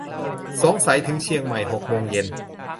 สงสัยถึงเชียงใหม่หกโมงเย็น